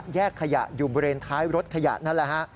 แยกขยะอยู่บริเวณท้ายรถขยะนั่นแหละฮะ